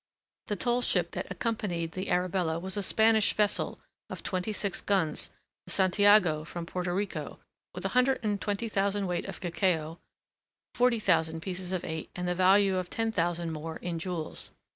The tall ship that accompanied the Arabella was a Spanish vessel of twenty six guns, the Santiago from Puerto Rico with a hundred and twenty thousand weight of cacao, forty thousand pieces of eight, and the value of ten thousand more in jewels.